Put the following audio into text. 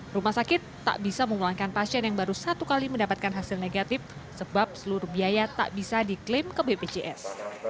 rumah sakit tak bisa mengulangkan pasien yang baru satu kali mendapatkan hasil negatif sebab seluruh biaya tak bisa diklaim ke bpjs